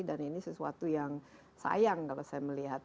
ini sesuatu yang sayang kalau saya melihat